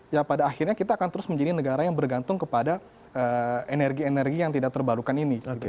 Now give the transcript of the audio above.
ya pada akhirnya kita akan terus menjadi negara yang bergantung kepada energi energi yang tidak terbarukan ini